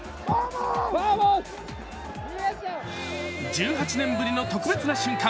１８年ぶりの特別な瞬間。